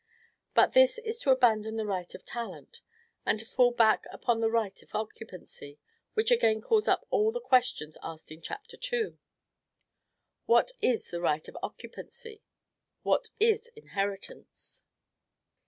But this is to abandon the right of talent, and to fall back upon the right of occupancy; which again calls up all the questions asked in Chapter II. What is the right of occupancy? what is inheritance?